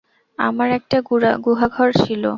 আমার একটা গুহাঘর ছিলো।